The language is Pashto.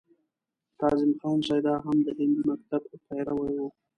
کاظم خان شیدا هم د هندي مکتب پیرو و.